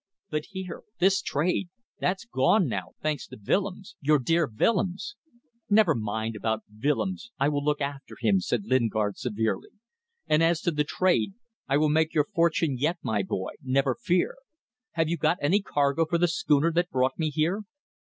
But here. This trade. That's gone now, thanks to Willems. ... Your dear Willems!" "Never you mind about Willems. I will look after him," said Lingard, severely. "And as to the trade ... I will make your fortune yet, my boy. Never fear. Have you got any cargo for the schooner that brought me here?"